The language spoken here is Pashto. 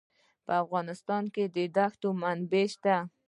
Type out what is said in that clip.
په افغانستان کې د ښتې منابع شته.